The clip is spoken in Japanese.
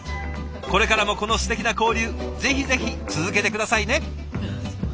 これからもこのすてきな交流ぜひぜひ続けて下さいね。